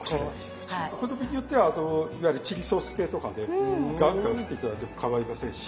お好みによってはいわゆるチリソース系とかねガンガン振って頂いてもかまいませんし。